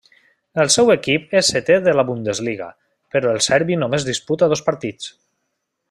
El seu equip és seté de la Bundesliga, però el serbi només disputa dos partits.